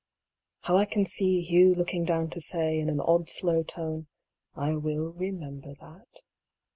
'' How I can see Hugh looking down to say, in an odd slow tone, "I will remember that."